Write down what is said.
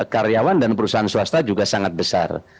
karyawan dan perusahaan swasta juga sangat besar